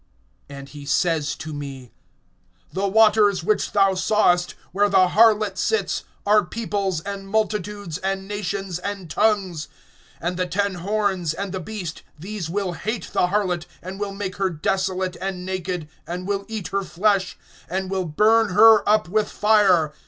(15)And he says to me: The waters which thou sawest, where the harlot sits, are peoples and multitudes, and nations and tongues. (16)And the ten horns, and the beast, these will hate the harlot, and will make her desolate and naked, and will eat her flesh, and will burn her up with fire.